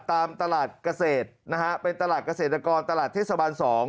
ตามตลาดเกษตรนะฮะเป็นตลาดเกษตรกรตลาดเทศบาล๒